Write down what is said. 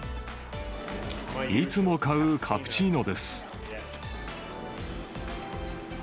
いつも買うカプチーノです。